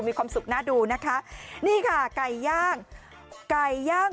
มีความสุขน่าดูนะคะนี่ค่ะไก่ย่างไก่ย่าง